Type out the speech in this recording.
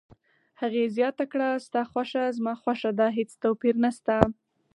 هغې زیاته کړه: ستا خوښه زما خوښه ده، هیڅ توپیر نشته.